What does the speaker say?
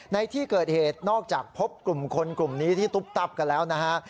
ในที่เกิดเหตุนอกจากพบกลุ่มคนกลุ่มนี้ที่ตุ๊บตับกันแล้วนะฮะ